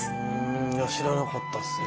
いや知らなかったですね。